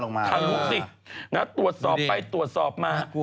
นะฮะตรวจสอบไปตรวจสอบมา